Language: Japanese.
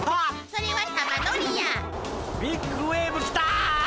それは玉乗りや！ビッグウエーブ来た！